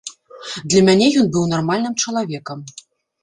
Для мяне ён быў нармальным чалавекам.